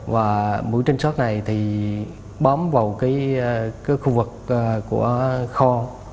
và mũi trinh sát này thì bóng vào khu vực của kho